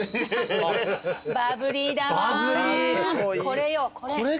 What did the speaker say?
これよこれ。